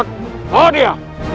gerak bawa dia